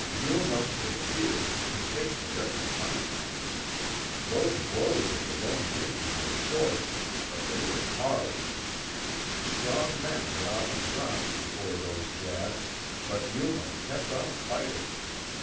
Yuma, it appeared, could take terrific punishment. Those blows of the Lone Ranger were short, but they were hard. Strong men had often dropped before those jabs, but Yuma kept on fighting.